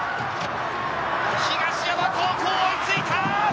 東山高校、追いついた！